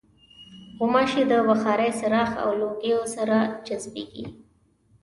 غوماشې د بخارۍ، څراغ او لوګیو سره جذبېږي.